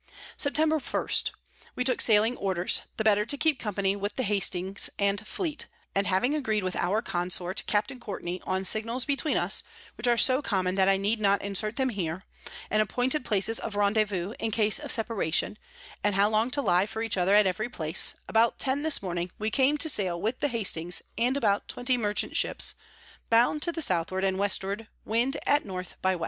Septemb. 1. We took sailing Orders, the better to keep Company with the Hastings and Fleet: and after having agreed with our Consort, Captain Courtney, on Signals between us, which are so common that I need not insert them here, and appointed places of Rendevouz in case of Separation, and how long to lie for each other at every place; about ten this Morning, we came to sail with the Hastings and about 20 Merchant Ships, bound to the Southward and Westward, Wind at N by W.